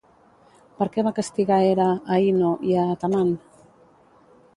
Per què va castigar Hera a Ino i a Atamant?